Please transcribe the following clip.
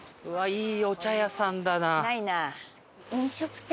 いいお茶屋さんだな。